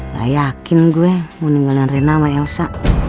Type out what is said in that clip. gak yakin gue mau tinggalin reina sama elsa